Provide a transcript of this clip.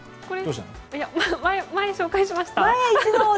前、紹介しました？